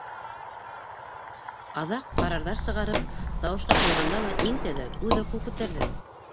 Аҙаҡ, ҡарарҙар сығарып, тауышҡа ҡуйғанда ла, иң тәүҙә үҙе ҡул күтәрҙе.